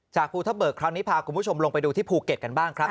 ภูทะเบิกคราวนี้พาคุณผู้ชมลงไปดูที่ภูเก็ตกันบ้างครับ